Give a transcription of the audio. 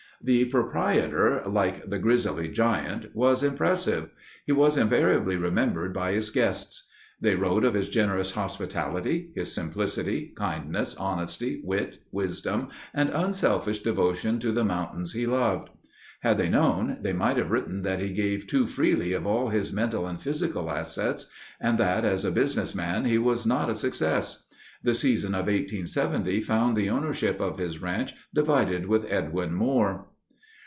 The proprietor, like the Grizzly Giant, was impressive. He was invariably remembered by his guests. They wrote of his generous hospitality, his simplicity, kindness, honesty, wit, wisdom, and unselfish devotion to the mountains he loved. Had they known, they might have written that he gave too freely of all his mental and physical assets and that as a businessman he was not a success. The season of 1870 found the ownership of his ranch divided with Edwin Moore.